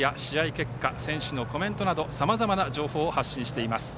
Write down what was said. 結果選手のコメントなどさまざまな情報を発信しています。